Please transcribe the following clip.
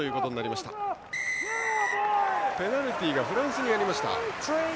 ペナルティーがフランスにありました。